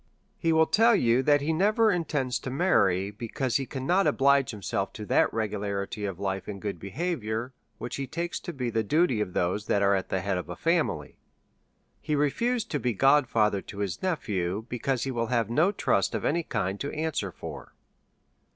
He will tell you that he never intends to mar ry, because he cannot oblige himself to that regularity of life, and good behaviour, which he takes to be the h2 loo A SERIOUS CALL TO A duty of those that are at the head of a family. He re fused to be godfather to his nephew, because he will have no trust of any kind to answer for.